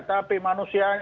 tapi manusia yang juga